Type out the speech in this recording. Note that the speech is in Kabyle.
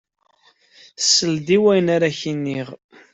Sel-d i wayen ara k-iniɣ.